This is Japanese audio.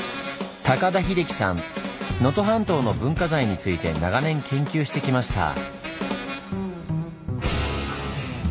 能登半島の文化財について長年研究してきました。